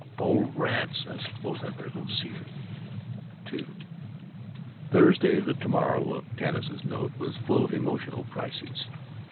"Oh, rats, I suppose I better go see her." II Thursday, the to morrow of Tanis's note, was full of emotional crises.